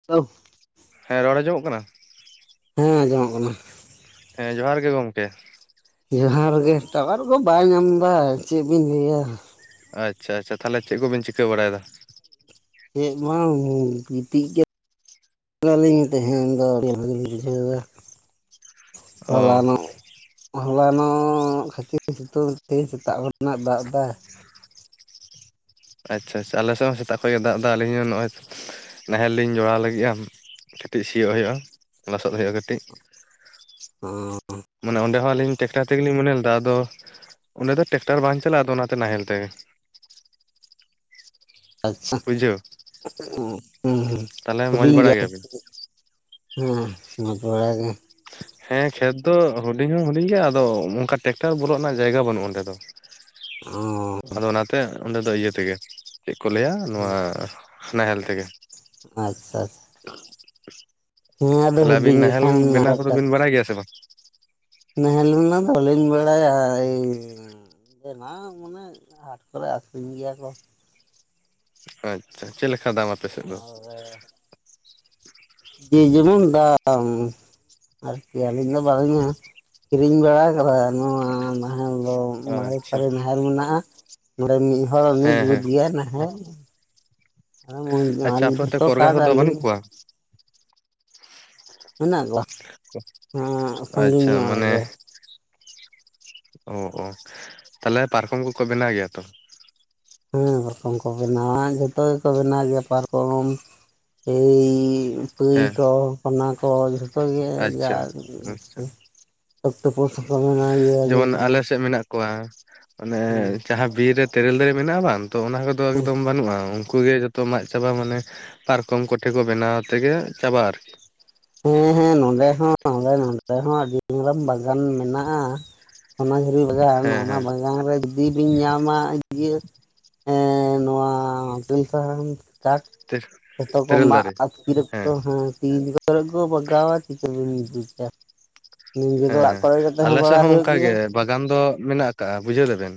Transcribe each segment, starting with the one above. [unintelligible] ᱦᱮᱸ ᱨᱚᱲ ᱟᱸᱚᱢᱚᱜ ᱠᱟᱱᱟ ᱦᱮᱸ ᱟᱸᱡᱚᱢᱚᱜ ᱠᱟᱱᱟ ᱦᱮᱸ ᱡᱚᱦᱟᱨ ᱜᱮ ᱜᱚᱢᱠᱮ ᱡᱚᱦᱟᱨ ᱜᱮ ᱴᱟᱣᱟᱨ ᱠᱚ ᱵᱟᱭ ᱧᱟᱢ ᱮᱫᱟ ᱪᱮᱫ ᱵᱤᱱ ᱞᱟᱹᱭᱟ ᱟᱪᱪᱷᱟ ᱟᱪᱪᱷᱟ ᱛᱟᱦᱚᱞᱮ ᱪᱮᱫ ᱠᱚᱵᱮᱱ ᱪᱤᱠᱟᱹ ᱵᱟᱲᱟᱭᱮᱫᱟ? ᱪᱮᱫ ᱢᱟ ᱻ ᱜᱤᱛᱤᱡ ᱜᱮ ᱟᱞᱤᱧ ᱛᱮᱦᱮᱱ ᱫᱚ ᱟᱹᱰᱤ ᱵᱷᱟᱜᱞᱤᱧ ᱵᱩᱡᱷᱟᱹᱣᱫᱟ ᱚ ᱦᱚᱞᱟ ᱱᱚᱜ ᱦᱚᱞᱟ ᱱᱚᱜ ᱠᱷᱟᱪᱤ ᱥᱤᱛᱩᱝ ᱛᱮ ᱥᱮᱛᱟᱜ ᱠᱷᱚᱱᱟᱜ ᱮ ᱫᱟᱜ ᱫᱟ ᱟᱪᱪᱷᱟ ᱟᱪᱪᱷᱟ ᱟᱞᱮ ᱥᱮᱫ ᱦᱚᱸ ᱥᱮᱛᱟᱜ ᱠᱷᱚᱱ ᱜᱮ ᱫᱟᱜ ᱮᱫᱟ ᱟᱹᱞᱤᱧ ᱦᱚᱸ ᱱᱚᱜᱼᱚᱭ ᱱᱟᱦᱮᱞ ᱞᱤᱧ ᱡᱚᱲᱟᱣ ᱞᱟᱹᱜᱤᱫᱼᱟ ᱠᱟᱹᱴᱤᱡ ᱥᱤᱭᱳᱜ ᱦᱩᱭᱩᱜᱼᱟ ᱞᱚᱥᱚᱫ ᱦᱩᱭᱩᱜᱼᱟ ᱠᱟᱹᱴᱤᱡ [unintelligible] ᱢᱟᱱᱮ ᱚᱸᱰᱮ ᱦᱚᱸ ᱟᱞᱤᱧ ᱴᱮᱠᱴᱟᱨ ᱛᱮᱜᱮᱞᱤᱧ ᱢᱚᱱᱮ ᱞᱮᱫᱟ ᱟᱫᱚ ᱚᱸᱰᱮ ᱫᱚ ᱴᱮᱠᱴᱟᱨ ᱵᱟᱝ ᱪᱟᱞᱟᱜᱼᱟ ᱟᱫᱚ ᱚᱱᱟᱛᱮ ᱱᱟᱦᱮᱞ ᱛᱮᱜᱮ ᱟᱪᱪᱷᱟ ᱵᱩᱡᱷᱟᱹᱣ [unintelligible] ᱛᱟᱦᱚᱞᱮ ᱢᱚᱸᱡᱽ ᱦᱤᱰᱤᱧ ᱵᱟᱲᱟ ᱜᱮᱭᱟ ᱜᱮᱭᱟᱵᱤᱱ? ᱦᱮᱸ ᱢᱚᱡᱽ ᱵᱟᱲᱟ ᱜᱮ ᱦᱮᱸ ᱠᱷᱮᱛ ᱫᱚ ᱦᱩᱰᱤᱧ ᱦᱚᱸ ᱦᱩᱰᱤᱧ ᱜᱮᱭᱟ ᱟᱫᱚ ᱚᱱᱠᱟ ᱴᱮᱠᱴᱟᱨ ᱵᱚᱞᱚᱜ ᱨᱮᱱᱟᱜ ᱡᱟᱭᱜᱟ ᱵᱟᱹᱱᱩᱜᱼᱟ ᱚᱸᱰᱮ ᱫᱚ [inaudible] ᱚᱻ ᱟᱫᱚ ᱚᱱᱟᱛᱮ ᱚᱸᱰᱮ ᱫᱚ ᱤᱭᱟᱹ ᱛᱮᱜᱮ ᱪᱮᱫ ᱠᱚ ᱞᱟᱹᱭᱟ ᱱᱚᱣᱟ ᱱᱟᱦᱮᱞ ᱛᱮᱜᱮ ᱟᱪᱪᱷᱟ ᱟᱪᱪᱷᱟ [inaudible] ᱦᱮᱸ ᱦᱩᱰᱤᱧ ᱜᱮ ᱠᱷᱟᱱ [unintelligible] ᱴᱷᱤᱠ ᱜᱮᱭᱟ ᱥᱮ ᱵᱟᱝ? ᱱᱟᱦᱮᱞ ᱦᱚᱱᱟ ᱵᱟᱞᱤᱧ ᱵᱟᱲᱟᱭᱟ ᱤᱧ [inaudible] ᱦᱟᱸᱴ ᱠᱚᱨᱮ ᱟᱠᱷᱨᱤᱧ ᱜᱮᱭᱟ ᱠᱚ ᱟᱪᱪᱷᱟ ᱪᱮᱫ ᱞᱮᱠᱟ ᱫᱟᱢ ᱟᱯᱮᱥᱮᱫ ᱫᱚ? ᱡᱮ ᱡᱮᱢᱚᱱ ᱫᱟᱢ ᱟᱨᱠᱤ ᱟᱹᱞᱤᱧ ᱫᱚ ᱵᱟᱞᱤᱧ ᱠᱤᱨᱤᱧ ᱵᱟᱲᱟ ᱟᱠᱟᱫᱟ ᱱᱚᱣᱟ ᱟᱫᱚ ᱫᱚ ᱢᱟᱨᱮ ᱟᱪᱪᱷᱟ ᱯᱟᱨᱮ ᱱᱟᱦᱮᱞ ᱢᱮᱱᱟᱜᱼᱟ ᱱᱚᱰᱮ ᱢᱤᱫ ᱦᱚᱲ ᱩᱱᱤ ᱦᱮᱸ ᱡᱩᱛ ᱦᱮᱸ ᱜᱮᱭᱟ ᱱᱟᱦᱮᱞ ᱟᱪᱪᱷᱟ ᱟᱞᱤᱧ ᱟᱯᱮ ᱚᱱᱛᱮ ᱡᱚᱛᱚ ᱠᱚᱨᱜᱟ ᱠᱟᱴ ᱠᱚᱫᱚ ᱟᱞᱤᱧ ᱵᱟᱹᱱᱩᱜ ᱠᱚᱣᱟ? ᱢᱮᱱᱟᱜ ᱠᱚᱣᱟ, ᱟᱸ ᱥᱟᱺᱜᱤᱧ ᱟᱪᱪᱷᱟ ᱧᱚᱜ ᱢᱟᱱᱮ ᱨᱮᱜᱮ᱾ ᱚ ᱚ ᱛᱟᱦᱚᱞᱮ ᱯᱟᱨᱠᱚᱢ ᱠᱚᱠᱚ ᱵᱮᱱᱟᱣ ᱜᱮᱭᱟ ᱛᱚ? ᱦᱮᱸ ᱯᱟᱨᱚᱠᱚᱢ ᱠᱚ ᱵᱮᱱᱟᱣᱟ ᱡᱚᱛᱚ ᱜᱮᱠᱚ ᱵᱮᱱᱟᱣ ᱜᱮᱭᱟ ᱯᱟᱨᱠᱚᱢ ᱮᱭ ᱯᱟᱹᱭ ᱦᱮᱸ ᱠᱚ ᱚᱱᱟ ᱠᱚ ᱡᱷᱚᱛᱚ ᱜᱮ ᱡᱟ ᱟᱪᱪᱷᱟ ᱟᱪᱪᱷᱟ ᱛᱳᱯᱳᱥᱟᱯᱟ ᱢᱮᱱᱟ ᱞᱤᱭᱟ ᱡᱮᱢᱚᱱ ᱞᱤᱧ᱾ ᱟᱞᱮ ᱥᱮᱫ ᱢᱮᱱᱟᱜ ᱠᱚᱣᱟ ᱟᱱᱮ ᱡᱟᱦᱟᱸ ᱵᱤᱨ ᱨᱮ ᱛᱮᱨᱮᱞ ᱫᱟᱨᱮ ᱢᱮᱱᱟᱜᱼᱟ ᱵᱟᱝ ᱛᱚ ᱚᱱᱟ ᱠᱚ ᱮᱠᱫᱚᱢ ᱵᱟᱹᱱᱩᱜᱼᱟ ᱩᱱ ᱜᱮ ᱡᱚᱛ ᱛᱚ ᱢᱟᱜ ᱪᱟᱵᱟ ᱢᱟᱱᱮ ᱯᱟᱨᱠᱚᱢ ᱠᱚᱴᱷᱮᱱ ᱠᱚ ᱵᱮᱱᱟᱣ ᱛᱮᱜᱮ ᱪᱟᱵᱟᱜ ᱟᱨᱠᱤ᱾ ᱦᱮᱸ ᱦᱮᱸ ᱱᱚᱰᱮ ᱦᱚᱸ ᱱᱚᱰᱮ ᱱᱚᱰᱮ ᱱᱚ ᱟᱰᱮ ᱦᱚᱸ ᱟᱹᱰᱤ ᱜᱟᱱ ᱵᱟᱜᱟᱱ ᱢᱮᱱᱟᱜᱼᱟ ᱚᱱᱟ ᱡᱷᱩᱨᱤ ᱵᱟᱜᱟᱱ ᱦᱮᱸ ᱚᱱᱟ ᱦᱮᱸ ᱵᱟᱜᱟᱱᱨᱮ ᱡᱩᱫᱤ ᱵᱤᱱ ᱧᱟᱢᱟ ᱤᱭᱟᱹ ᱮᱸ ᱱᱚᱣᱟ ᱵᱤᱨ ᱥᱟᱦᱟᱱ᱾ ᱛᱟᱠ ᱡᱷᱚᱛᱚ ᱠᱚ ᱛᱮᱨᱮᱞ ᱢᱟᱜ ᱫᱟᱨᱮ ᱟᱛᱠᱤᱨᱟ ᱠᱚ ᱦᱮᱸ ᱦᱟᱸ ᱛᱤ ᱠᱚᱨᱮ ᱠᱚ ᱵᱟᱜᱟᱣᱟ ᱪᱤᱠᱟᱹ ᱵᱤᱱ ᱵᱩᱡᱟ᱾ ᱱᱤᱡᱮ ᱫᱚ ᱚᱲᱟᱜ ᱦᱮᱸ ᱠᱚᱨᱮ ᱜᱮ ᱛᱟᱦᱮᱸ ᱟᱞᱮ ᱥᱮᱜ ᱵᱟᱲᱟ ᱦᱚᱸ ᱦᱩᱭᱩᱜ ᱚᱝᱠᱟ ᱜᱮᱭᱟ ᱜᱮ᱾ ᱵᱟᱜᱟᱱ ᱫᱚ ᱢᱮᱱᱟᱜ ᱟᱠᱟᱜᱼᱟ ᱵᱩᱡᱷᱟᱹᱣ ᱫᱟᱵᱮᱱ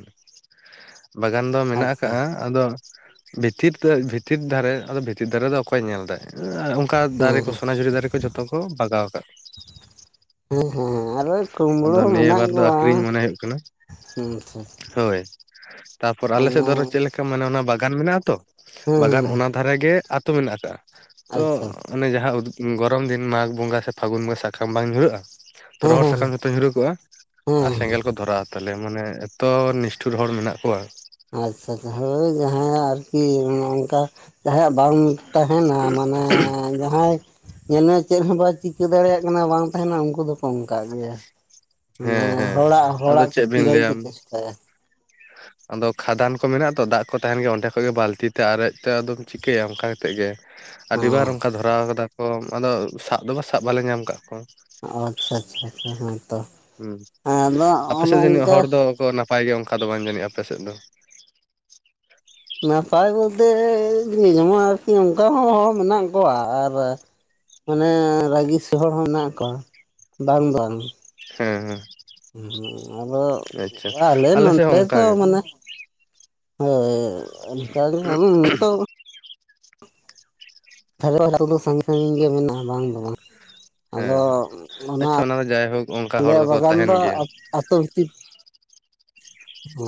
ᱵᱟᱜᱟᱱ ᱫᱚ ᱢᱮᱱᱟᱜ ᱟᱪᱪᱷᱟ ᱟᱠᱟᱜᱼᱟ᱾ ᱟᱫᱚ ᱵᱷᱤᱛᱤᱨ ᱵᱷᱤᱛᱤᱨ ᱫᱷᱟᱨᱮ ᱟᱫᱚ ᱵᱷᱤᱛᱤᱨ ᱫᱷᱟᱨᱮ ᱫᱚ ᱚᱠᱚᱭ ᱧᱮᱞ ᱫᱟᱭ᱾ ᱚᱝᱠᱟ ᱫᱟᱨᱮ ᱦᱮᱸ ᱠᱚ ᱥᱚᱱᱟᱡᱷᱩᱨᱤ ᱫᱟᱨᱮ ᱠᱚ ᱡᱷᱚᱛᱚ ᱠᱚ ᱵᱟᱜᱟᱣ ᱟᱠᱟᱜ᱾ ᱦᱮᱸ ᱦᱮᱸ ᱟᱨ ᱠᱳᱢᱲᱳ ᱟᱫᱚ ᱦᱚᱸ ᱱᱤᱭᱟᱹ ᱢᱮᱱᱟᱜ ᱵᱟᱨ ᱫᱚ ᱠᱚᱣᱟ ᱟᱠᱷᱨᱤᱧ ᱢᱚᱱᱮ ᱦᱩᱭᱩᱜ ᱠᱟᱱᱟ ᱦᱮᱸ ᱪᱮ᱾ ᱦᱳᱭ ᱛᱟᱯᱚᱨ ᱟᱞᱮᱥᱮᱫ ᱫᱚ ᱪᱮᱫ ᱞᱮᱠᱟ ᱢᱟᱱᱮ ᱚᱱᱟ ᱵᱟᱜᱟᱱ ᱢᱮᱱᱟᱜᱼᱟ ᱛᱚ ᱵᱟᱜᱟᱱ ᱦᱮᱸ ᱚᱱᱟ ᱫᱷᱟᱨᱮᱜᱮ ᱟᱛᱳ ᱢᱮᱱᱟᱜ ᱟᱠᱟᱜᱼᱟ ᱛᱚ ᱟᱪᱪᱷᱟ ᱚᱱᱮ ᱡᱟᱦᱟᱸ ᱜᱚᱨᱚᱢ ᱫᱤᱱ ᱢᱟᱜᱽ ᱵᱚᱸᱜᱟ ᱥᱮ ᱯᱷᱟᱹᱜᱩᱱ ᱵᱚᱸᱜᱟ ᱥᱟᱠᱟᱢ ᱵᱟᱝ ᱧᱩᱨᱦᱟᱹᱜᱼᱟ ᱛᱚ ᱦᱮᱸ ᱨᱚᱦᱚᱲ ᱦᱮᱸ ᱥᱟᱠᱟᱢ ᱛᱚ ᱧᱩᱨᱩᱠᱚᱜᱼᱟ ᱦᱮᱸ ᱟᱨ ᱦᱮᱸ᱾ ᱥᱮᱸᱜᱮᱞ ᱠᱚ ᱫᱷᱚᱨᱟᱜᱼᱟ ᱛᱟᱦᱞᱮ ᱢᱟᱱᱮ ᱮᱛᱚ ᱱᱤᱥᱴᱷᱩᱨ ᱦᱚᱲ ᱢᱮᱱᱟᱜ ᱠᱚᱣᱟ᱾ ᱟᱪᱪᱷᱟᱷᱟ ᱦᱳᱭ ᱡᱟᱦᱟᱸᱭᱟᱜ ᱟᱨᱠᱤ ᱚᱝᱠᱟ ᱡᱟᱦᱟᱸᱭᱟᱜ ᱵᱟᱝ ᱛᱟᱦᱮᱱᱟ ᱢᱟᱱᱮ ᱡᱟᱦᱟᱸᱭ ᱧᱮᱞ ᱢᱮ ᱪᱮᱜ ᱦᱚᱸ ᱵᱟᱭ ᱪᱤᱠᱟᱹ ᱫᱟᱲᱮᱭᱟᱜ ᱠᱟᱱᱟ ᱵᱟᱝ ᱛᱟᱦᱮᱱᱟ ᱩᱱᱠᱩ ᱫᱚᱠᱚ ᱚᱱᱠᱟᱜ ᱜᱮᱭᱟ᱾ ᱦᱮᱸ ᱢᱟᱱᱮ ᱦᱮᱸ ᱦᱚᱲᱟᱜ ᱟᱫᱚ ᱦᱚᱲᱟᱜ ᱪᱮᱫ ᱠᱷᱚᱛᱤ ᱵᱤᱱ ᱫᱷᱟᱹᱵᱤᱡ ᱞᱟᱹᱭᱟ ᱯᱮ ᱪᱮᱥᱴᱟᱭᱟ᱾ ᱟᱫᱚ ᱠᱷᱟᱫᱟᱱ ᱠᱚ ᱢᱮᱱᱟᱜ ᱟ ᱛᱚ ᱫᱟᱜ ᱠᱚ ᱛᱟᱦᱮᱱ ᱜᱮᱭᱟ ᱚᱸᱰᱮ ᱠᱷᱚᱡ ᱜᱮ ᱵᱟᱞᱛᱤ ᱛᱮ ᱟᱨᱮᱡ ᱛᱮ ᱟᱫᱚᱢ ᱪᱤᱠᱟᱹᱭᱟ ᱚᱱᱠᱟ ᱠᱟᱛᱮᱫ ᱜᱮ ᱟᱹᱰᱤᱵᱟᱨ ᱦᱚᱸ ᱚᱱᱠᱟ ᱫᱷᱚᱨᱟᱣ ᱠᱟᱫᱟ ᱠᱚ ᱟᱫᱚ ᱥᱟᱵ ᱫᱚ ᱥᱟᱵ ᱵᱟᱞᱮ ᱧᱟᱢ ᱠᱟᱜ ᱠᱚᱣᱟ᱾ ᱟᱪᱪᱷᱟ ᱟᱪᱪᱷᱟ ᱟᱪᱪᱷᱟ ᱦᱮᱸ ᱛᱚ᱾ ᱟᱯᱮᱥᱮᱜ ᱡᱟᱹᱱᱤᱡ ᱦᱚᱲ ᱫᱚᱠᱚ ᱱᱟᱯᱟᱭ ᱜᱮᱭᱟ ᱚᱱᱠᱟ ᱫᱚ ᱵᱟᱝ ᱡᱟᱹᱱᱤᱡᱼᱟ ᱟᱯᱮᱥᱮᱫ ᱫᱚ᱾ ᱱᱟᱯᱟᱭ ᱵᱳᱞᱛᱮ ᱤᱧ ᱢᱟ ᱟᱨᱠᱤ ᱚᱝᱠᱟ ᱦᱚᱸ ᱦᱚᱲ ᱢᱮᱱᱟᱜ ᱠᱚᱣᱟ ᱟᱨ ᱢᱟᱱᱮ ᱨᱟᱹᱜᱤ ᱥᱚᱦ ᱦᱚᱲ ᱦᱚᱸ ᱢᱮᱱᱟᱜ ᱠᱚᱣᱟ ᱵᱟᱝ ᱵᱟᱝ᱾ ᱦᱮᱸ ᱦᱮᱸ ᱦᱩᱸ ᱟᱫᱚ ᱟᱪᱪᱷᱟ ᱟᱞᱮ ᱥᱮᱫ ᱱᱚᱸᱰᱮ ᱦᱚᱸ ᱚᱱᱠᱟ ᱫᱚ ᱜᱮ ᱢᱟᱱᱮ ᱦᱳᱭ ᱚᱱᱠᱟ [unintelligible] [unintelligible] ᱠᱚᱫᱚ ᱥᱟᱺᱜᱤᱧ ᱥᱟᱺᱜᱤᱧ ᱜᱮ ᱢᱮᱱᱟᱜᱼᱟ ᱵᱟᱝ ᱫᱚ ᱵᱟᱝ᱾ ᱟᱫᱚ ᱦᱮᱸ ᱚᱱᱟ ᱟᱪᱪᱷᱟ ᱫᱚ ᱡᱟᱭᱦᱳᱠ ᱚᱱᱠᱟ ᱦᱚᱲ ᱟᱞᱮᱭᱟᱜ ᱫᱚᱠᱚ ᱵᱟᱜᱟᱱ ᱛᱟᱦᱮᱱ ᱫᱚ ᱜᱮᱭᱟ ᱟᱹᱛᱩ ᱵᱷᱤᱛᱤᱨ ᱦᱮ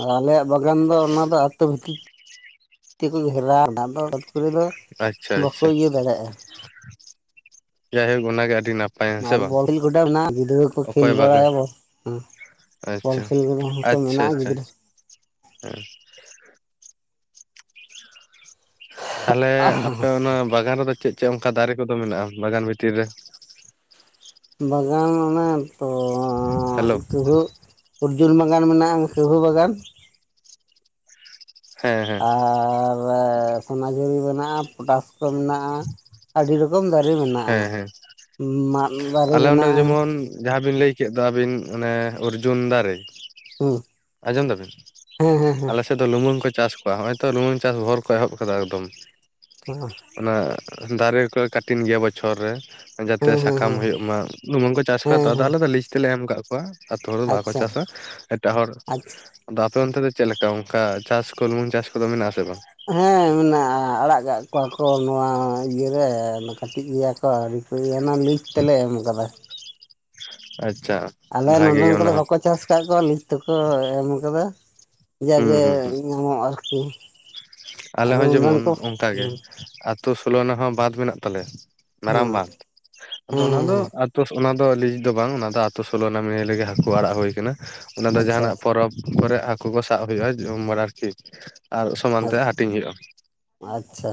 ᱟᱨ ᱟᱞᱮᱭᱟᱜ ᱵᱟᱜᱟᱱ ᱫᱚ ᱚᱱᱟ ᱫᱚ ᱟᱛᱩ ᱵᱷᱤᱛᱤᱨ ᱛᱮ ᱠᱚ ᱜᱷᱮᱨᱟ ᱚᱱᱟ ᱫᱚ ᱟᱪᱪᱷᱟ ᱵᱟᱠᱚ ᱟᱪᱪᱷᱟ ᱟᱪᱷᱟ ᱤᱭᱟᱹ ᱫᱟᱲᱮᱭᱟᱜᱼᱟ ᱡᱟᱭᱦᱳᱠ ᱚᱱᱟᱜᱮ ᱟᱹᱰᱤ ᱱᱟᱯ ᱟᱨ ᱵᱚᱞ ᱜᱚᱰᱟ ᱢᱮᱱᱟᱜ ᱟ ᱜᱤᱫᱽᱨᱟᱹ ᱠᱚ ᱠᱷᱮᱞ ᱚᱠᱚᱭ ᱵᱟᱜᱮ ᱵᱟᱲᱟᱭᱟ [unintelligible] ᱵᱚᱞ ᱠᱷᱮᱞ ᱨᱮᱫᱚᱛᱚ ᱢᱮᱱᱟᱜᱼᱟ ᱜᱤᱫᱽᱨᱟᱹ᱾ ᱦᱩᱸ ᱛᱟᱦᱚᱞᱮ ᱟᱯᱮ ᱚᱱᱟ ᱵᱟᱜᱟᱱ ᱨᱮᱫᱚ ᱪᱮᱫ ᱪᱮᱫ ᱚᱱᱠᱟ ᱫᱟᱨᱮ ᱠᱚᱫᱚ ᱢᱮᱱᱟᱜᱼᱟ ᱵᱟᱜᱟᱱ ᱵᱷᱤᱛᱤᱨ ᱨᱮ? ᱵᱟᱜᱟᱱ ᱚᱱᱮ ᱛᱚ ᱦᱮᱞᱳ ᱠᱟᱹᱦᱟᱹᱜ᱾ ᱩᱨᱡᱩᱱ ᱵᱟᱜᱟᱱ ᱢᱮᱱᱟᱜᱼᱟ ᱠᱟᱹᱦᱟᱹ ᱵᱟᱜᱟᱱ᱾ ᱦᱮᱸ ᱦᱮᱸ ᱟᱨ ᱥᱚᱱᱟᱡᱷᱩᱨᱤ ᱢᱮᱱᱟᱜᱼᱟ ᱯᱚᱴᱟᱥ ᱠᱚ ᱢᱮᱱᱟᱜᱼᱟ ᱟᱹᱰᱤ ᱨᱚᱠᱚᱢ ᱫᱟ ᱦᱮᱸ ᱦᱮᱸ ᱫᱟᱨᱮ ᱟᱞᱮ ᱚᱸᱰᱮ ᱫᱚ ᱢᱮᱱᱟᱜᱼᱟ ᱡᱮᱢᱚᱱ ᱡᱟᱦᱟᱸᱵᱤᱱ ᱞᱟᱹᱭ ᱠᱮᱫ ᱫᱚ ᱟᱹᱵᱤᱱ ᱚᱱᱮ ᱚᱨᱡᱩᱱ ᱫᱟᱨᱮ ᱦᱮᱸ ᱟᱡᱸᱚᱢ ᱫᱟᱵᱤᱱ ᱦᱮᱸ ᱦᱮᱸ ᱦᱮᱸ ᱟᱞᱮᱥᱮᱱ ᱫᱚ ᱞᱩᱢᱟᱹᱝ ᱠᱚ ᱪᱟᱥ ᱠᱚᱣᱟ ᱱᱚᱜᱼᱚᱭ ᱛᱚ ᱞᱩᱢᱟᱹᱝ ᱪᱟᱥ ᱵᱷᱚᱨ ᱠᱚ ᱮᱦᱚᱵ ᱠᱟᱫᱟ ᱮᱠᱫᱚᱢ ᱦᱮᱸ ᱚᱱᱟ ᱫᱟᱨᱮ ᱠᱚ ᱠᱟᱴᱤᱱ ᱜᱮᱭᱟ ᱵᱚᱪᱷᱚᱨ ᱨᱮ ᱡᱟᱛᱮ ᱦᱮᱸ ᱦᱮᱸ ᱥᱟᱠᱟᱢ ᱦᱮᱸ ᱦᱩᱭᱩᱜ ᱢᱟ ᱞᱩᱢᱟᱝ ᱠᱚ ᱪᱟᱥ ᱠᱚ ᱦᱮᱸ ᱛᱟᱫᱚ ᱦᱮᱸ ᱟᱞᱮ ᱫᱚ ᱞᱤᱥ ᱛᱮᱞᱮ ᱮᱢ ᱟᱠᱟᱫ ᱠᱚᱣᱟ᱾ ᱟᱛᱳ ᱦᱚᱲ ᱫᱚ ᱵᱟᱠᱚ ᱟᱪᱪᱷᱟ ᱪᱟᱥᱟ ᱮᱴᱟᱜ ᱦᱚᱲ ᱟᱪᱪᱷᱟ ᱟᱫᱚ ᱟᱯᱮ ᱚᱱᱛᱮ ᱫᱚ ᱪᱮᱫ ᱞᱮᱠᱟ ᱚᱱᱠᱟ ᱪᱟᱥ ᱠᱚ ᱞᱩᱢᱟᱝ ᱪᱟᱥ ᱠᱚᱫᱚ ᱢᱮᱱᱟᱜ ᱟᱥᱮ ᱵᱟᱝ ᱦᱮᱸ ᱢᱮᱱᱟᱜᱼᱟ ᱟᱲᱟᱜ ᱠᱟᱜ ᱠᱚᱣᱟ ᱠᱚ ᱱᱚᱣᱟ ᱤᱭᱟᱹᱨᱮ ᱠᱟᱹᱴᱤᱡ ᱜᱮᱭᱟ ᱚ ᱠᱚ ᱚᱱᱟ ᱞᱤᱡ ᱛᱮᱞᱮ ᱮᱢ ᱟᱠᱟᱫᱟ ᱟᱪᱪᱷᱟ ᱟᱞᱮ ᱵᱷᱟᱜᱮ ᱜᱮ ᱱᱚᱰᱮᱱ ᱚᱱᱟ ᱠᱚᱫᱚ ᱦᱚᱸ ᱵᱟᱠᱚ ᱪᱟᱥ ᱟᱠᱟᱫ ᱠᱚᱣᱟ ᱞᱤᱡ ᱛᱮᱠᱚ ᱮᱢ ᱠᱟᱫᱟ ᱦᱩᱸ ᱡᱟᱜᱮ ᱦᱩᱸ ᱦᱩᱸ ᱧᱟᱢᱚᱜ ᱟᱨᱠᱤ ᱟᱞᱮ ᱦᱚᱸ ᱱᱚᱰᱮᱱ ᱡᱮᱢᱚᱱ ᱠᱚ ᱦᱮᱸ ᱚᱱᱠᱟᱜᱮ ᱟᱛᱳ ᱥᱳᱞᱳᱱᱟ ᱦᱚᱸ ᱵᱟᱸᱫᱷ ᱢᱮᱱᱟᱜ ᱛᱟᱞᱮᱭᱟ ᱦᱮᱸ ᱢᱟᱨᱟᱝ ᱵᱟᱸᱫᱷ ᱟᱫᱚ ᱦᱮᱸ ᱚᱱᱟ ᱦᱮᱸ ᱫᱚᱛ ᱚᱱᱟ ᱫᱚ ᱞᱤᱡ ᱫᱚ ᱵᱟᱝ ᱚᱱᱟ ᱫᱚ ᱟᱛᱳ ᱥᱳᱞᱳᱟᱱᱟᱢᱤᱭᱟᱹ ᱞᱮᱜᱮ ᱦᱟᱹᱠᱩ ᱟᱲᱟᱜ ᱦᱩᱭ ᱠᱟᱱᱟ ᱚᱱᱟ ᱫᱚ ᱟᱪᱪᱷᱟ ᱡᱟᱦᱟᱸᱱᱟᱜ ᱟᱪᱪᱷᱟ ᱯᱚᱨᱚᱵᱽ ᱠᱚᱨᱮ ᱦᱟᱹᱠᱩ ᱠᱚ ᱥᱟᱵ ᱦᱩᱭᱩᱜᱼᱟ ᱡᱚᱢ ᱵᱟᱲᱟ ᱟᱨᱠᱤ ᱟᱨ ᱥᱚᱢᱟᱱ ᱛᱮ ᱦᱟᱸᱜ ᱦᱟᱹᱴᱤᱧ ᱦᱩᱭᱩᱜᱼᱟ ᱟᱪᱪᱷᱟ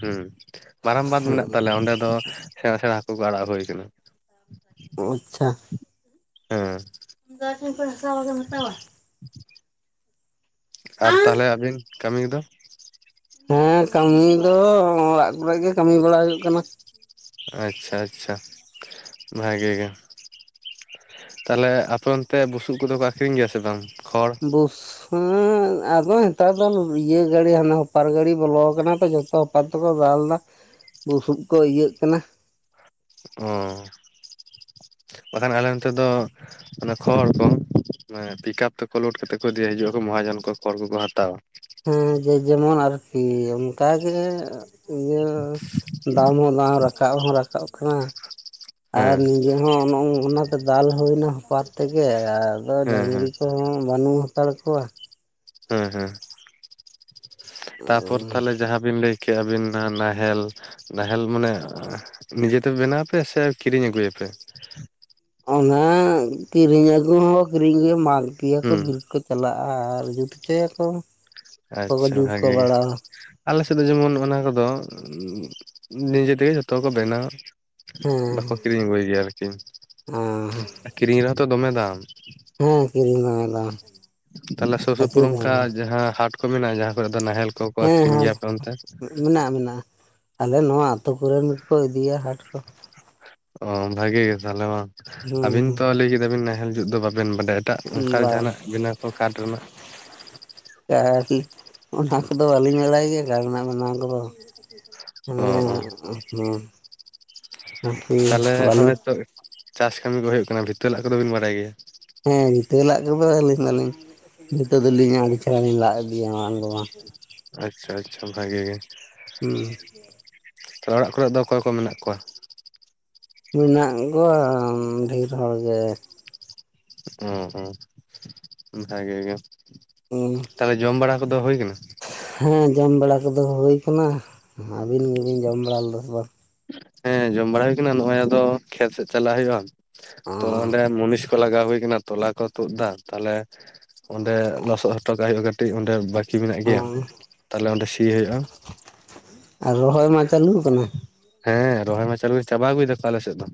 ᱦᱮᱸ ᱢᱟᱨᱟᱝ ᱵᱟᱸᱫᱷ ᱢᱮᱱᱟᱜ ᱛᱟᱞᱮᱭᱟ ᱚᱸᱰᱮ ᱫᱚ ᱥᱮᱬᱟ ᱥᱮᱬᱟ ᱦᱟᱹᱠᱩ ᱠᱚ ᱟᱲᱟᱜ ᱦᱩᱭ ᱠᱟᱱᱟ ᱟᱪᱪᱷᱟ ᱦᱮᱸ [unintelligible] ᱦᱟᱛᱟᱣᱟ [unintelligible] ᱟᱨ ᱛᱟᱦᱚᱞᱮ ᱟᱹᱵᱤᱱ ᱠᱟᱹᱢᱤ ᱫᱚ ᱦᱮᱸ ᱠᱟᱹᱢᱤ ᱫᱚ ᱚᱲᱟᱜ ᱠᱚᱨᱮ ᱜᱮ ᱠᱟᱹᱢᱤ ᱵᱟᱲᱟ ᱦᱩᱭᱩᱜ ᱠᱟᱱᱟ᱾ ᱟᱪᱪᱷᱟ ᱟᱪᱪᱷᱟ ᱵᱷᱟᱜᱮ ᱜᱮ ᱛᱟᱞᱚᱦᱮ ᱟᱯᱮ ᱚᱱᱛᱮ ᱵᱩᱥᱩᱵ ᱠᱚᱫᱚ ᱠᱚ ᱟᱠᱷᱨᱤᱧ ᱜᱮᱭᱟ ᱥᱮ ᱵᱟᱝ ᱠᱷᱚᱲ ᱵᱩᱥᱩᱵ ᱟᱫᱚ ᱱᱮᱛᱟᱨ ᱫᱚ ᱤᱭᱟᱹ ᱜᱟᱹᱲᱤ ᱦᱟᱱᱮ ᱦᱚᱯᱟᱨ ᱜᱟᱹᱲᱤ ᱵᱚᱞᱚ ᱟᱠᱟᱱᱟ ᱛᱚ ᱡᱚᱛᱚ ᱦᱚᱯᱟᱨ ᱛᱮᱠᱚ ᱫᱟᱞ ᱮᱫᱟ ᱵᱩᱥᱩᱵ ᱠᱚ ᱤᱭᱟᱹᱜ ᱠᱟᱱᱟ ᱚ ᱵᱟᱠᱷᱟᱱ ᱟᱞᱮ ᱱᱚᱛᱮ ᱫᱚ ᱠᱷᱚᱲ ᱠᱚ ᱢᱟᱱᱮ ᱯᱤᱠᱟᱯ ᱛᱮᱠᱚ ᱞᱳᱰ ᱠᱟᱛᱮᱫ ᱠᱚ ᱤᱫᱤᱭᱮ ᱦᱤᱡᱩᱜᱼᱟᱚ ᱢᱚᱦᱟᱡᱚᱱ ᱠᱚ ᱠᱷᱚᱲ ᱠᱚᱠᱚ ᱦᱟᱛᱟᱣᱟ ᱦᱮᱸ ᱡᱮ ᱡᱮᱢᱚᱱ ᱟᱨᱠᱤ ᱚᱱᱠᱟᱜᱮ ᱤᱭᱟᱹ ᱫᱟᱢ ᱦᱚᱸ ᱵᱟᱝ ᱨᱟᱠᱟᱵ ᱦᱚᱸ ᱨᱟᱠᱟᱵ ᱠᱟᱱᱟ ᱟᱨ ᱦᱮᱸ ᱱᱤᱡᱮ ᱦᱚᱸ ᱚᱱᱟᱛᱮ ᱫᱟᱞ ᱦᱩᱭᱱᱟ ᱦᱚᱯᱟᱨ ᱛᱮᱜᱮ ᱟᱨ ᱟᱫᱚ ᱦᱮᱸ ᱦᱮᱸ ᱰᱟᱹᱝᱨᱤ ᱠᱚᱦᱚᱸ ᱵᱟᱹᱱᱩᱜ ᱦᱟᱛᱟᱲ ᱠᱚᱣᱟ᱾ ᱦᱮᱸ ᱦᱮᱸ ᱛᱟᱯᱚᱨ ᱛᱟᱦᱚᱞᱮ ᱡᱟᱦᱟᱸ ᱵᱤᱱ ᱞᱟᱹᱭ ᱠᱮᱫᱮᱜᱼᱟᱵᱤᱱ ᱱᱟᱦᱮᱞ ᱱᱟᱦᱮᱞ ᱢᱟᱱᱮ ᱱᱤᱡᱮᱛᱮ ᱵᱮᱱᱟᱣᱯᱮ ᱥᱮ ᱠᱤᱨᱤᱧ ᱟᱹᱜᱩᱭ ᱟᱯᱮ ᱚᱱᱟ ᱠᱤᱨᱤᱧ ᱟᱹᱜᱩ ᱦᱚᱸ ᱠᱤᱨᱤᱧ ᱜᱮ ᱢᱟᱜ ᱜᱮᱭᱟ ᱠᱚ ᱦᱩᱸ ᱵᱤᱨ ᱠᱷᱚᱡ ᱪᱟᱞᱟᱜᱼᱟ ᱟᱨ ᱡᱩᱛ ᱦᱚᱪᱚᱭᱟᱠᱚ ᱚᱠᱚᱭ ᱠᱚ ᱡᱩᱛ ᱠᱚ ᱵᱟᱲᱟᱣᱟ ᱟᱞᱮᱥᱮᱫ ᱫᱚ ᱡᱮᱢᱚᱱ ᱚᱱᱟ ᱠᱚᱫᱚ ᱱᱤᱡᱮ ᱛᱮᱜᱮ ᱡᱷᱚᱛᱚ ᱠᱚ ᱵᱮᱱᱟᱣ ᱵᱟᱠᱚ ᱦᱮᱸ ᱠᱤᱨᱤᱧ ᱟᱹᱜᱩᱭ ᱜᱮᱭᱟ ᱟᱨᱠᱤ ᱟᱨ ᱠᱤᱨᱤᱧ ᱨᱮᱦᱚᱸ ᱛᱚ ᱫᱚᱢᱮ ᱫᱟᱢ ᱦᱮᱸ ᱠᱤᱨᱤᱧ ᱫᱚ ᱢᱮᱱᱟᱜᱼᱟ ᱛᱟᱞᱚᱦᱮ ᱥᱩᱨ ᱠᱷᱟᱹᱪᱤ ᱥᱩᱯᱩᱨ ᱫᱚ ᱚᱱᱠᱟ ᱡᱟᱦᱟᱸ ᱦᱟᱴ ᱠᱚ ᱢᱮᱱᱟᱜᱼᱟ ᱡᱟᱦᱟᱸ ᱠᱚᱨᱮ ᱫᱚ ᱱᱟᱦᱮᱞ ᱠᱚᱠᱚ ᱦᱮᱸ ᱟᱠᱷᱨᱤᱧ ᱦᱮᱸ ᱜᱮᱭᱟ ᱟᱯᱮ ᱚᱱᱛᱮ ᱢᱮᱱᱟᱜᱼᱟ ᱢᱮᱱᱟᱜᱼᱟ ᱟᱞᱮ ᱱᱚᱶᱟ ᱟᱛᱳ ᱠᱚᱨᱮᱱ ᱜᱮᱠᱚ ᱤᱫᱤᱭᱟ ᱦᱟᱸᱴ ᱠᱚ ᱚ ᱵᱷᱟᱜᱤ ᱜᱮ ᱛᱟᱦᱚᱞᱮ ᱢᱟ ᱟᱹᱵᱤᱱ ᱦᱮᱸ ᱛᱚ ᱞᱟᱹᱭ ᱠᱮᱫᱟᱵᱤᱱ ᱱᱟᱦᱮᱞ ᱡᱩᱫ ᱫᱚ ᱵᱟᱵᱮᱱ ᱵᱟᱰᱟᱭᱟ ᱮᱴᱟᱜ ᱚᱱᱠᱟ ᱡᱟᱦᱟᱱᱟᱜ ᱵᱮᱱᱟᱣᱹ ᱠᱚ ᱠᱟᱴ ᱨᱮᱱᱟᱜ ᱚᱱᱟ ᱠᱚᱫᱚ ᱵᱟᱹᱞᱤᱧ ᱵᱟᱲᱟᱭ ᱜᱮᱭᱟ ᱨᱮᱱᱟᱜ ᱵᱮᱱᱟᱣ ᱠᱚᱫᱚ ᱚ ᱚ ᱦᱮ ᱦᱮᱸ ᱛᱟᱦᱚᱞᱮ ᱵᱟᱞᱤ ᱦᱚᱜᱼᱚᱭ ᱛᱚ ᱪᱟᱥ ᱠᱟᱹᱢᱤ ᱠᱚ ᱦᱩᱭᱩᱜ ᱠᱟᱱᱟ ᱵᱷᱤᱛᱟ ᱞᱟᱜ ᱠᱚᱫᱚ ᱵᱤᱱ ᱵᱟᱲᱟᱭ ᱜᱮᱭᱟ? ᱦᱮᱸ ᱜᱷᱟᱹ ᱞᱟᱜ ᱠᱚᱫᱚ ᱟᱹᱞᱤᱧ ᱫᱚᱞᱤᱧ ᱱᱤᱛᱚᱜ ᱫᱩᱞᱤᱧ ᱟᱹᱰᱤ ᱪᱟᱲ ᱞᱤᱧ ᱞᱟᱜ ᱤᱫᱤᱭᱟ ᱵᱟᱝ ᱫᱚ ᱵᱟᱝ ᱟᱪᱪᱷᱟ ᱟᱪᱪᱷᱟ ᱵᱷᱟᱜᱮ ᱜᱮ ᱦᱩᱸ ᱛᱚ ᱚᱲᱟᱜ ᱠᱚᱨᱮᱜ ᱫᱚ ᱚᱠᱚᱭ ᱠᱚ ᱢᱮᱱᱟᱜ ᱠᱚᱣᱟ? ᱢᱮᱱᱟᱜ ᱠᱚᱣᱟ ᱰᱷᱮᱨ ᱦᱚᱲ ᱜᱮ ᱚᱸ ᱦᱚᱸ ᱵᱷᱟᱜᱮ ᱜᱮ ᱛᱟᱦᱞᱮ ᱡᱚᱢ ᱵᱟᱲᱟ ᱠᱚᱫᱚ ᱦᱳᱭ ᱠᱟᱱᱟ? ᱦᱮᱸ ᱡᱚᱢ ᱵᱟᱲᱟ ᱠᱚᱫᱚ ᱦᱩᱭ ᱠᱟᱱᱟ ᱟᱹᱵᱤᱱ ᱜᱮᱵᱤᱱ ᱡᱚᱢ ᱵᱟᱲᱟ ᱞᱮᱫᱟ ᱵᱟᱝ? ᱦᱮᱸ ᱡᱚᱢ ᱵᱟᱲᱟ ᱦᱩᱭ ᱠᱟᱱᱟ ᱱᱚᱜᱼᱚᱭ ᱟᱫᱚ ᱠᱷᱮᱛ ᱥᱮᱜ ᱪᱟᱞᱟᱜ ᱦᱳᱭᱳᱜᱼᱟ ᱛᱚ ᱚᱸᱰᱮ ᱢᱩᱱᱤᱥ ᱞᱟᱜᱟᱣ ᱦᱩᱭ ᱠᱟᱱᱟ ᱛᱚᱞᱟ ᱠᱚ ᱛᱩᱫ ᱫᱟ ᱛᱟᱦᱚᱞᱮ ᱚᱸᱰᱮ ᱞᱚᱥᱚᱜ ᱦᱚᱴᱚ ᱠᱟᱜ ᱦᱳᱭᱳᱜᱼᱟ ᱠᱟᱹᱴᱤᱡ ᱚᱸᱰᱮ ᱵᱟᱹᱠ ᱠᱤ ᱢᱮᱱᱟᱜ ᱚ ᱜᱮᱭᱟ ᱛᱟᱦᱚᱞᱮ ᱚᱸᱰᱮ ᱥᱤ ᱦᱳᱭᱳᱜᱼᱟ ᱟᱨ ᱨᱚᱦᱚᱭ ᱢᱟ ᱪᱟᱹᱞᱩᱣ ᱠᱟᱱᱟ? ᱦᱮᱸ ᱨᱚᱦᱚᱭ ᱢᱟ ᱪᱟᱞᱩᱭ ᱪᱟᱵᱟ ᱟᱹᱩᱭ ᱫᱟᱠᱚ ᱟᱞᱮᱥᱮᱫ ᱫᱚ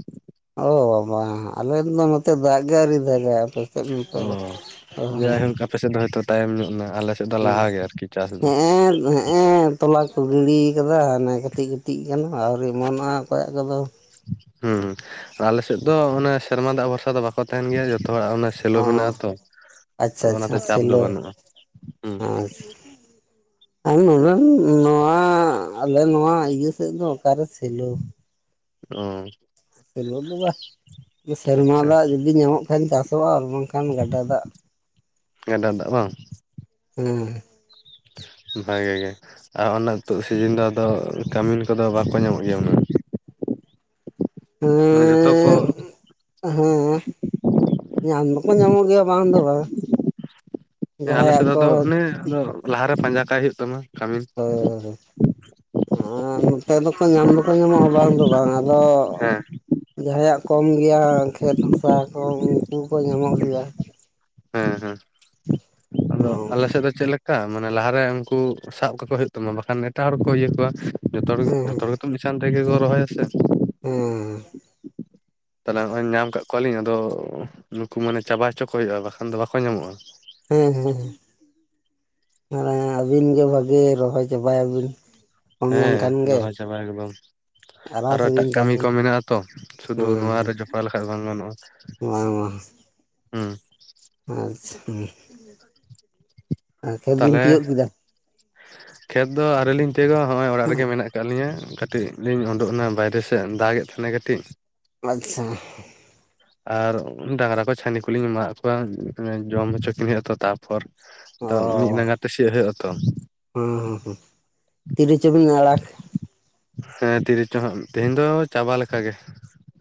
ᱚ ᱵᱟᱵᱟ ᱟᱞᱮ ᱫᱚ ᱱᱚᱛᱮ ᱫᱟᱜ ᱜᱮ ᱟᱣᱨᱤ ᱟᱭ ᱟᱯᱮ ᱪᱮᱜ ᱵᱤᱱ ᱢᱮᱛᱟ [unintelligible] ᱟᱯᱮᱥᱮᱫ ᱫᱚ ᱦᱳᱭ ᱛᱚ ᱛᱟᱭᱚᱢ ᱧᱚᱜ ᱱᱟ, ᱟᱞᱮ ᱥᱮᱫ ᱫᱚ ᱞᱟᱦᱟ ᱦᱩᱸ ᱜᱮ ᱟᱨᱠᱤ ᱪᱟᱥ ᱫᱚ ᱦᱮᱜᱼᱮᱸ ᱦᱮᱜᱼᱮᱸ ᱛᱚᱞᱟ ᱠᱚ ᱜᱤᱲᱤ ᱠᱟᱫᱟ ᱟᱱᱮ ᱠᱟᱹᱴᱤᱡ ᱠᱟᱹᱴᱤᱡ ᱠᱟᱱᱟ ᱟᱹᱣᱨᱤ ᱚᱢᱚᱱᱚᱜᱼᱟ ᱚᱠᱚᱭᱟᱜ ᱠᱚᱫᱚ ᱦᱩᱸ ᱦᱩᱸ ᱟᱞᱮ ᱥᱮᱫ ᱫᱚ ᱚᱱᱟ ᱥᱮᱨᱢᱟ ᱫᱟᱜ ᱵᱷᱚᱨᱥᱟ ᱫᱚ ᱵᱟᱠᱚ ᱛᱟᱦᱮᱱ ᱜᱮᱭᱟ ᱡᱚᱛᱚ ᱦᱚᱲᱟᱜ ᱚᱱᱟ ᱥᱮᱞᱚ ᱚ ᱢᱮᱱᱟᱜᱼᱟ ᱛᱚ ᱟᱪᱪᱷᱟ ᱟᱫᱚ ᱟᱪᱪᱷᱟ ᱚᱱᱟᱛᱮ ᱪᱟᱯ ᱫᱚ ᱥᱮᱞᱚ ᱵᱟᱹᱱᱩᱜᱼᱟ ᱦᱩᱸ [unintelligible] ᱟᱨ ᱱᱚᱸᱰᱮᱱ ᱱᱚᱣᱟ ᱟᱞᱮ ᱱᱚᱣᱟ ᱤᱭᱟᱹ ᱥᱮᱫ ᱫᱚ ᱚᱠᱟᱨᱮ ᱥᱮᱞᱚ ᱚ ᱥᱮᱞᱚᱜ ᱫᱚ ᱵᱟᱦ ᱥᱮᱨᱢᱟ ᱟᱪᱪᱷᱟ ᱫᱟᱜ ᱡᱩᱫᱤ ᱧᱟᱢᱚᱜ ᱠᱷᱟᱱ ᱪᱟᱥᱚᱜᱼᱟ ᱟᱨ ᱵᱟᱝᱠᱷᱟᱱ ᱜᱟᱰᱟ ᱫᱟᱜ ᱜᱟᱰᱟ ᱫᱟᱜ ᱵᱟᱝ ᱦᱩᱸ ᱵᱷᱟᱜᱮ ᱜᱮ ᱟᱨ ᱚᱱᱟ ᱛᱳᱜ ᱥᱤᱡᱤᱱ ᱫᱚ ᱟᱫᱚ ᱠᱟᱹᱢᱤᱱ ᱠᱚᱫᱚ ᱵᱟᱠᱚ ᱧᱟᱢᱚᱜ ᱜᱮᱭᱟ ᱩᱱᱟᱹᱜ ᱢᱟᱱᱮ ᱡᱚᱛᱚ ᱠᱚ ᱦᱮᱸᱻᱫ ᱦᱮᱸ ᱧᱟᱢ ᱫᱚᱠᱚ ᱧᱟᱢᱚᱜ ᱜᱮᱭᱟ ᱵᱟᱝ ᱫᱚ ᱵᱟ ᱦᱮᱸ ᱟᱞᱮ ᱡᱟᱦᱟᱸᱭᱟᱜ ᱥᱮᱫ ᱠᱚ ᱫᱚ ᱚᱱᱮ ᱟᱫᱚ ᱞᱟᱦᱟᱨᱮ ᱯᱟᱸᱡᱟ ᱠᱟᱭ ᱦᱳᱭᱳᱜ ᱛᱟᱢᱟ ᱠᱟᱹᱢᱤᱱ ᱟᱫᱚ ᱟᱨ ᱱᱚᱛᱮ ᱫᱚᱠᱚ ᱧᱟᱢ ᱫᱚᱠᱚ ᱧᱟᱢᱚᱜᱼᱟ ᱵᱟᱝ ᱫᱚ ᱵᱟᱝ ᱟᱫᱚ ᱦᱮᱸ ᱡᱟᱦᱟᱸᱭᱟᱜ ᱠᱚᱢ ᱜᱮᱭᱟ ᱠᱷᱮᱛ ᱦᱟᱥᱟ ᱠᱚ ᱩᱱᱠᱩ ᱠᱚ ᱧᱟᱢᱚᱜ ᱜᱮᱭᱟ ᱦᱮᱸ ᱦᱮᱸ ᱟᱫᱚ ᱟᱞᱮ ᱚᱱᱠᱟ ᱥᱮᱫ ᱫᱚ ᱪᱮᱜ ᱞᱮᱠ ᱠᱟ ᱢᱟᱱᱮ ᱞᱟᱦᱟᱨᱮ ᱩᱝᱠᱩ ᱥᱟᱵ ᱠᱟ ᱠᱚ ᱦᱳᱭᱳᱜ ᱛᱟᱢᱟ ᱵᱟᱠᱷᱟᱱ ᱮᱴᱟᱜ ᱦᱚᱲ ᱠᱚ ᱤᱭᱟᱹ ᱠᱚᱣᱟ ᱡᱚᱛᱚ ᱦᱚᱲ ᱜᱮ ᱦᱮᱸ ᱡᱷᱚᱛᱚ ᱦᱚᱲ ᱜᱮᱛᱚᱢ ᱪᱟᱱ ᱛᱮᱜᱮ ᱠᱚ ᱨᱚᱦᱚᱭᱟᱥᱮ ᱦᱩᱸ ᱛᱟᱦᱚᱞᱮ ᱦᱚᱜᱼᱚᱭ ᱧᱟᱢ ᱠᱟᱜ ᱠᱚᱣᱟᱞᱤᱧ ᱟᱫᱚ ᱱᱩᱠᱩ ᱢᱟᱱᱮ ᱪᱟᱵᱟ ᱦᱚᱪᱚ ᱠᱚ ᱦᱳᱭᱳᱜᱼᱟ ᱵᱟᱠᱷᱟᱱ ᱫᱚ ᱵᱟᱠᱚ ᱧᱟᱢᱚᱜᱼᱟ ᱦᱩᱸ ᱦᱩᱸ ᱦᱩᱸ ᱟᱨᱮ ᱟᱹᱵᱤᱱ ᱜᱮ ᱵᱷᱟᱜᱮ ᱨᱚᱦᱚᱭ ᱪᱟᱵᱟᱭᱟᱵᱤᱱ ᱠᱚᱢᱭᱟᱱ ᱦᱮᱸ ᱠᱷᱟᱱ ᱜᱮ ᱨᱚᱦᱚᱭ ᱪᱟᱵᱟ ᱮᱠᱫᱚᱢ ᱟᱨᱟᱢ ᱟᱨᱚ ᱮᱴᱟᱜ ᱥᱮᱵᱤᱱ ᱠᱟᱹᱢᱤ ᱠᱚ ᱛᱟᱦᱮᱱ ᱢᱮᱱᱟᱜ-ᱟ ᱛᱚ ᱥᱩᱫᱩ ᱦᱮᱸ ᱱᱚᱣᱟᱨᱮ ᱡᱚᱯᱲᱟ ᱞᱮᱠᱷᱟᱡ ᱵᱟᱝ ᱜᱟᱱᱚᱜᱼᱟ ᱵᱟᱝ ᱵᱟᱝ ᱦᱩᱸ ᱟᱪᱪᱷᱟᱸ ᱦᱩᱸ ᱛᱟᱦᱚᱞᱮ ᱠᱮᱫᱟ ᱠᱷᱮᱛ ᱫᱚ ᱟᱹᱣᱨᱤᱞᱤᱧ ᱛᱤᱭᱟᱜᱟ ᱦᱚᱜᱼᱚᱭ ᱚᱨᱟᱜ ᱨᱮᱜᱮ ᱢᱮᱱᱟᱜ ᱠᱟᱜ ᱞᱤᱧᱟ ᱠᱟᱴᱤᱡ ᱞᱤᱧ ᱚᱸᱰᱳᱜᱱᱟ ᱵᱟᱭᱨᱮ ᱥᱮᱱ ᱫᱟᱜ ᱮᱫ ᱛᱟᱦᱮᱱᱟ ᱠᱟᱹᱴᱤᱡ ᱟᱪᱪᱷᱟ ᱟᱨ ᱰᱟᱝᱨᱟ ᱠᱚ ᱪᱷᱟᱹᱱᱤ ᱠᱩᱞᱤᱧ ᱮᱢᱟᱜ ᱠᱚᱣᱟ ᱡᱚᱢ ᱦᱚᱪᱚ ᱠᱤᱱ ᱦᱳᱭᱳᱜᱼᱟ ᱛᱚ ᱛᱟ ᱯᱚᱨ ᱚ ᱛᱚ ᱢᱤᱫ ᱰᱟᱸᱜᱟ ᱛᱮ ᱥᱤᱭ ᱦᱩᱭᱩᱜ ᱟᱛᱚ᱾ ᱦᱮᱸᱻ ᱦᱮᱸ ᱛᱤᱨᱤ ᱪᱚᱵᱤᱱ ᱟᱲᱟᱜ? ᱦᱮᱸ ᱛᱤᱨᱤᱥ ᱪᱚ ᱦᱟᱸᱜ ᱛᱮᱦᱮᱧ ᱫᱚ ᱪᱟᱵᱟ ᱞᱮᱠ ᱜᱮ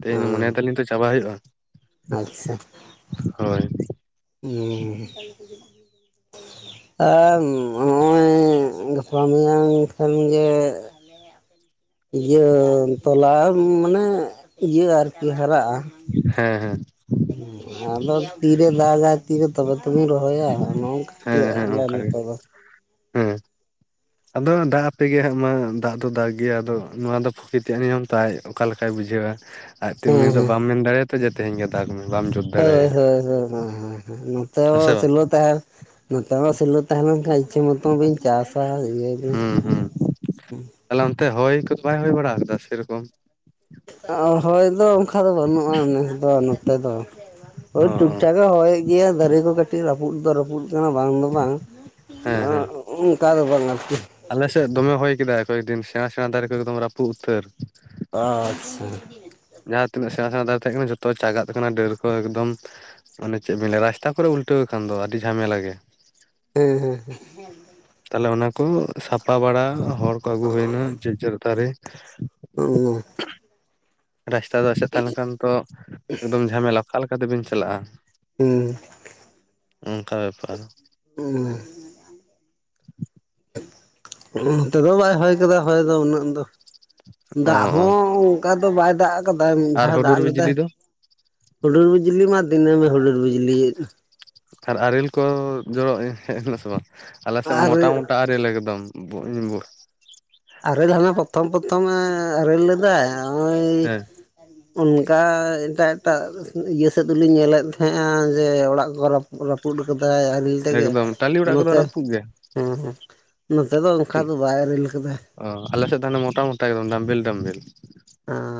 ᱛᱮᱦᱮᱧ ᱦᱮᱸ ᱢᱚᱱᱮᱭ ᱫᱟᱞᱤᱧ ᱛᱚ ᱪᱟᱵᱟ ᱦᱩᱭᱩᱜᱼᱟ᱾ ᱟᱪᱪᱷᱟ ᱦᱳᱭ ᱟᱨ ᱱᱚᱜᱼᱚᱭᱻ ᱜᱟᱯᱟ ᱢᱮᱭᱟᱝ ᱠᱷᱟᱱ ᱜᱮ ᱤᱭᱟᱹ ᱛᱚᱞᱟ ᱢᱟᱱᱮ ᱤᱭᱟᱹ ᱟᱨᱠᱤ ᱦᱟᱨᱟᱜᱼᱟ᱾ ᱦᱮᱸ ᱦᱮᱸ ᱟᱫᱚ ᱛᱤᱨᱮ ᱫᱟᱜ ᱛᱤᱤᱨ ᱛᱚᱵᱮ ᱛᱚᱵᱮᱱ ᱨᱚ ᱦᱳᱭᱟ ᱱᱚᱜᱝᱠ ᱦᱮᱸ ᱦᱮᱸ ᱟᱞᱮ ᱚᱱᱠᱟᱜᱮ ᱱᱤᱛᱚᱜ ᱫᱚ᱾ ᱦᱮᱸ ᱟᱫᱚ ᱫᱟᱜ ᱟᱯᱮᱜ ᱜᱮ ᱦᱜ ᱢᱟ ᱫᱟᱜ ᱫᱚ ᱫᱟᱜ ᱜᱮᱭᱟ ᱟᱫᱚ ᱱᱚᱣᱟ ᱫᱚ ᱯᱨᱚᱠᱤᱨ ᱛᱮᱭᱟᱜ ᱱᱤᱭᱚᱢ ᱛᱟᱭ ᱚᱠᱟ ᱞᱮᱠᱟᱭ ᱵᱩᱡᱷᱟᱹᱣᱟ ᱟᱡᱛᱮ ᱩᱱᱤ ᱦᱮᱸ ᱫᱚ ᱦᱮᱸ ᱵᱟᱢ ᱢᱮᱱ ᱫᱟᱲᱮᱭᱟᱛᱚ ᱡᱮ ᱛᱮᱦᱮᱧ ᱜᱟ ᱫᱟᱟᱜ ᱢᱮ ᱵᱟᱢ ᱡᱩ ᱦᱳᱭ ᱦᱳᱭᱳ ᱱᱚᱛᱮ ᱦᱮᱸ ᱥᱮ ᱵᱟᱝ ᱥᱤᱞᱚᱛ ᱛᱟᱦᱮ ᱱᱚᱛᱮᱱᱟᱜ ᱥᱤᱞᱟᱹ ᱛᱟᱦᱮᱸ ᱞᱮᱱ ᱠᱷᱟᱱ ᱤᱪᱷᱟᱹ ᱢᱚᱛᱚ ᱵᱤᱱ ᱪᱟᱥᱟ ᱤᱭᱟᱹᱭᱟᱵᱤᱱ᱾ ᱛᱟᱦᱚᱞᱮ ᱚᱱᱛᱮ ᱦᱚᱭ ᱠᱚᱫᱚ ᱵᱟᱭ ᱦᱩᱭᱭ ᱵᱟᱲᱟ ᱠᱟᱫᱟ ᱥᱮᱨᱚᱠᱚᱢ? ᱦᱚᱭ ᱫᱚ ᱚᱱᱠᱟ ᱫᱚ ᱵᱟᱹᱱᱩᱜᱼᱟ ᱱᱮᱥ ᱫᱚ ᱱᱚᱛᱮ ᱫᱚ ᱚ ᱦᱳᱭ, ᱚ ᱴᱩᱠᱴᱷᱟᱠ ᱜᱮ ᱦᱚᱭ ᱜᱮᱭᱟ ᱫᱟᱨᱮ ᱠᱚ ᱠᱟᱹᱴᱤᱡ ᱨᱟᱹᱯᱩᱫ ᱫᱚ ᱨᱟᱹᱯᱩᱫ ᱠᱟᱱᱟ ᱵᱟᱝ ᱫᱚ ᱵᱟᱝ ᱚᱱᱠᱟ ᱫᱚ ᱵᱟᱝ ᱟᱨᱠᱤ᱾ ᱟᱞᱮ ᱥᱮᱫ ᱫᱚᱢᱮ ᱦᱚᱭ ᱠᱮᱫᱟᱭ ᱠᱚᱭᱮᱠ ᱫᱤᱱ ᱥᱮᱬᱟ ᱥᱮᱬᱟ ᱫᱟᱨᱮ ᱠᱚ ᱮᱠᱫᱚᱢ ᱨᱟᱹᱯᱩᱫ ᱩᱛᱟᱹᱨ᱾ ᱟᱪᱪᱷᱟ ᱡᱟᱦᱟᱸ ᱛᱤᱱᱟᱹᱜ ᱥᱮᱬᱟ ᱥᱮᱬᱟ ᱫᱟᱨᱮ ᱛᱟᱦᱮᱸ ᱠᱟᱱᱟ ᱡᱚᱛᱚ ᱪᱟᱜᱟᱜ ᱠᱟᱱᱟ ᱰᱟᱹᱨ ᱠᱚ ᱮᱠᱫᱚᱢ ᱚᱱᱮ ᱪᱮᱫ ᱵᱮᱤᱱ ᱞᱟᱹᱭᱟ ᱨᱟᱥᱛᱟ ᱠᱚᱨᱮ ᱩᱞᱴᱟᱹᱣ ᱠᱷᱟᱱ ᱫᱚ ᱟᱹᱰᱤ ᱡᱷᱟᱢᱮᱞᱟ ᱜᱮ᱾ ᱦᱮᱸ ᱦᱮᱸ ᱦᱮᱸ [unintelligible] ᱛᱟᱦᱮᱞᱮ ᱚᱱᱟ ᱠᱚ ᱥᱟᱯᱷᱟ ᱵᱟᱲᱟ ᱦᱚᱲ ᱠᱚ ᱟᱹᱜᱩ ᱦᱩᱭᱱᱟ ᱡᱮᱡᱟᱹᱨ ᱫᱟᱨᱮ [unintelligible] ᱨᱟᱥᱛᱟ ᱫᱚ ᱟᱥᱮᱫ ᱛᱟᱦᱮᱸ ᱞᱮᱱ ᱠᱷᱟᱱ ᱛᱚ ᱮᱠᱫᱚᱢ ᱡᱷᱟᱢᱮᱞᱟ ᱚᱠᱟᱞ ᱞᱮᱠᱟ ᱛᱮᱵᱤᱱ ᱪᱟᱞᱟᱜᱼᱟ᱾ ᱦᱩᱸ ᱚᱱᱠᱟ ᱵᱮᱯᱟᱨ᱾ ᱦᱩᱸ ᱱᱚ ᱛᱮᱫᱚ ᱵᱟᱭ ᱦᱚᱭ ᱠᱟᱫᱟ ᱦᱚᱭ ᱫᱚ ᱩᱱᱟᱹᱜ ᱫᱚ᱾ ᱚ ᱫᱟᱜ ᱚ ᱦᱚᱸ ᱚᱱᱠᱟ ᱫᱚ ᱵᱟᱭ ᱫᱟᱜ ᱠᱟᱫᱟ ᱢᱤᱫ ᱟᱨ ᱫᱷᱟᱣ ᱦᱩᱰᱩᱨ ᱫᱟᱜ ᱞᱮᱫᱟᱭ᱾ ᱵᱤᱡᱽᱞᱤ ᱫᱚ ᱦᱩᱰᱩᱨ ᱵᱤᱡᱞᱤ ᱢᱟ ᱫᱤᱱᱟᱹᱢ ᱦᱩᱰᱩᱨ ᱵᱤᱡᱽᱞᱤ ᱮᱫ᱾ ᱟᱨ ᱟᱨᱮᱞ ᱠᱚ ᱡᱚᱨᱚᱜ ᱦᱮᱡ ᱮᱱᱟ ᱥᱮ ᱵᱟᱝ ᱟᱞᱮ ᱥᱮᱫ ᱟᱨ ᱢᱚᱴᱟ ᱢᱚᱴᱟ ᱟᱨᱮᱞ ᱮᱠᱫᱚᱢ ᱵᱚᱧ ᱵᱚ ᱟᱨᱮᱞ ᱦᱟᱱᱮ ᱯᱨᱚᱛᱷᱚᱢ ᱯᱨᱚᱛᱷᱚᱢᱮ ᱟᱨᱮᱞ ᱞᱮᱫᱟᱭ ᱚᱭᱻ ᱦᱮᱸ ᱚᱱᱠᱟ ᱮᱴᱟᱜ ᱮᱴᱟᱜ ᱤᱭᱟᱹ ᱥᱮᱫ ᱫᱚᱞᱤᱧ ᱧᱮᱞᱮᱫ ᱛᱟᱦᱮᱸᱱᱟ ᱡᱮ ᱚᱲᱟᱜ ᱠᱚ ᱨᱟᱹᱯᱩᱫ ᱠᱟᱫᱟᱭ ᱟᱨᱮᱞ ᱛᱮᱜᱮ᱾ ᱮᱠᱫᱚᱢ ᱴᱟᱞᱤ ᱚᱲᱟᱜ ᱠᱚᱫᱚ ᱱᱚᱛᱮ ᱨᱟᱹᱯᱩᱫ ᱜᱮ ᱦᱚᱸ ᱦᱚᱸ ᱱᱚᱛᱮ ᱫᱚ ᱚᱱᱠᱟ ᱴᱷᱤᱠ ᱫᱚ ᱵᱟᱭ ᱟᱨᱮᱞ ᱟᱠᱟᱫᱟ᱾ ᱚ ᱟᱞᱮᱥᱮᱫ ᱦᱟᱱᱮ ᱢᱚᱴᱟ ᱢᱚᱴᱟ ᱮᱠᱫᱚᱢ ᱰᱟᱢᱵᱤᱞ ᱰᱟᱢᱵᱤᱞ᱾ ᱮᱸᱻ